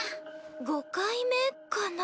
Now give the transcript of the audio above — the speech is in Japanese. ５回目かな。